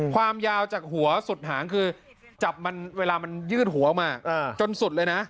ความยาวจากหัวสุดหางคือจับมันเวลามันยืดหัวออกมาจนสุดเลยนะ